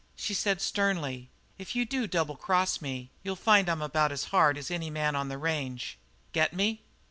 She said sternly: "If you do double cross me, you'll find I'm about as hard as any man on the range. Get me?"